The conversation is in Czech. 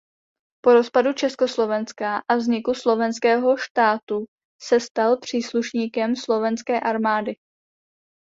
Po rozpadu Československa a vzniku Slovenského štátu se stal příslušníkem slovenské armády.